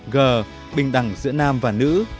g bình đẳng giữa nam và nữ